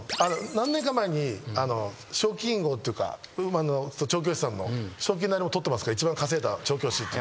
何年か前に賞金王っていうか調教師さんの賞金のあれも取ってますから一番稼いだ調教師っていう。